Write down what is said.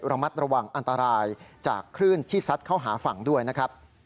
ระมัดระวังอันตรายจากคลื่นที่ซัดเข้าหาฝั่งด้วยนะครับ